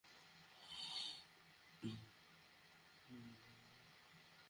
আমাকে সাহায্য করুন।